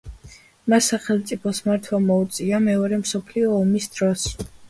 მას სახელმწიფოს მართვა მოუწია მეორე მსოფლიო ომის დროს.